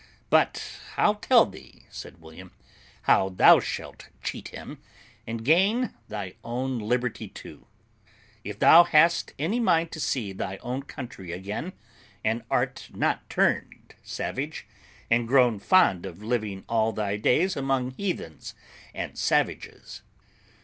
But I'll tell thee," said William, "how thou shalt cheat him, and gain thy own liberty too, if thou hast any mind to see thy own country again, and art not turned savage, and grown fond of living all thy days among heathens and savages."